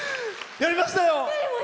やりました。